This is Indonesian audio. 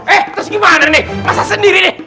eh terus gimana nih masak sendiri nih